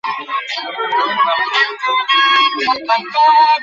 পুরো সফরে ব্যাট হাতে তিনি কোন রান পাননি।